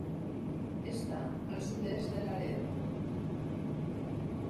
Està al sud-est de Laredo.